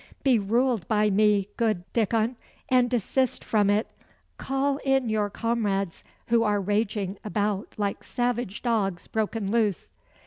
Be ruled by me, good Dickon, and desist from it. Call in your comrades, who are raging about like savage dogs broken loose."